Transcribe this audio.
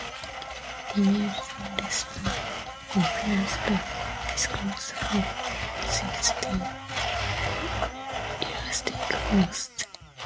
The dimensionless number compares the viscous forces to the elastic forces.